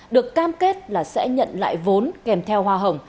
được cam kết là sẽ nhận lại vốn kèm theo hoa hồng